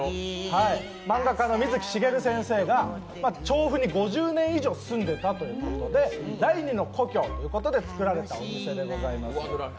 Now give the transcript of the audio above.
漫画家の水木しげる先生が調布に５０年以上住んでいたということで第２の故郷ということでつくられたお店です。